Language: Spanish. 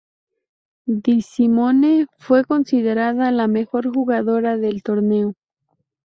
Di Simone fue considerada la mejor jugadora del torneo.